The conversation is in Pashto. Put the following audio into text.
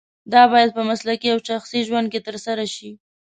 دا باید په مسلکي او شخصي ژوند کې ترسره شي.